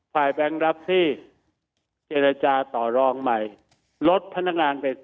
แบงค์รับที่เจรจาต่อรองใหม่ลดพนักงานไป